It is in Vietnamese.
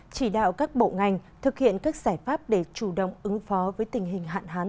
chỉ đạo các bộ ngành thực hiện các giải pháp để chủ động ứng phó với tình hình hạn hán